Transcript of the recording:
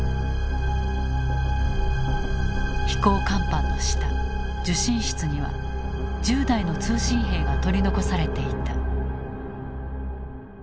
飛行甲板の下受信室には１０代の通信兵が取り残されていた。